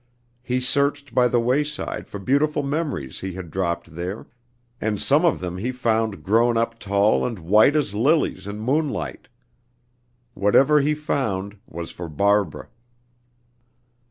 He searched by the wayside for beautiful memories he had dropped there, and some of them he found grown up tall and white as lilies in moonlight. Whatever he found was for Barbara.